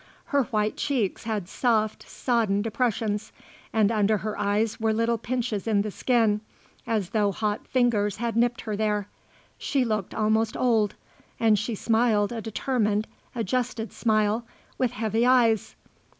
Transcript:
Her white cheeks had soft, sodden depressions and under her eyes were little pinches in the skin, as though hot fingers had nipped her there. She looked almost old, and she smiled a determined, adjusted smile, with heavy eyes.